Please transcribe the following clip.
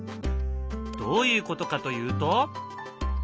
どういうことかというと。